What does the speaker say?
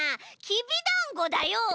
きびだんごだよ。